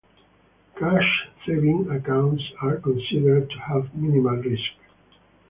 Cash savings accounts are considered to have minimal risk.